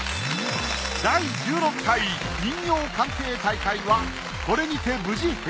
第１６回人形鑑定大会はこれにて無事閉幕。